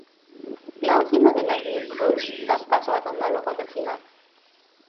La última de las New Rules da paso al monólogo del final.